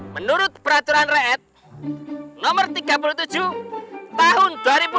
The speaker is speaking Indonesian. menurut peraturan rakyat nomor tiga puluh tujuh tahun dua ribu dua puluh